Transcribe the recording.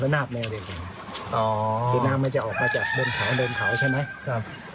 ระดับแนวเนี้ยอ๋อที่น้ำมันจะออกมาจากบนเขาบนเขาใช่ไหมครับ